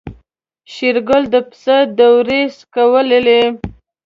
شېرګل د پسه دوړې سکوللې.